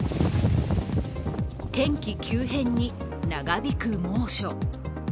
天気急変に長引く猛暑。